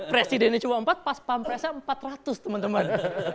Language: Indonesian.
presidennya cuma empat pas pampresnya empat ratus teman teman